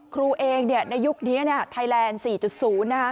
ครูเองเนี่ยในยุคเนี้ยน่ะไทยแลนสี่จุดศูนย์ฮะ